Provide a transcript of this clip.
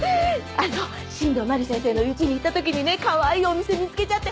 新道真理先生の家に行った時にねかわいいお店見つけちゃって。